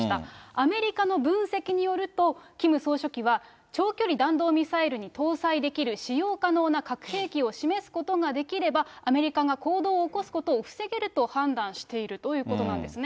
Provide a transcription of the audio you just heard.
アメリカの分析によると、キム総書記は、長距離弾道ミサイルに搭載できる使用可能な核兵器を示すことができれば、アメリカが行動を起こすことを防げると判断しているということなんですね。